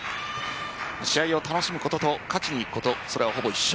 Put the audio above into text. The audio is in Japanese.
試合を楽しむことと勝ちに行くことそれは、ほぼ一緒。